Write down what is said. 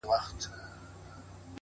خپه په دې یم چي زه مرم ته به خوشحاله یې؛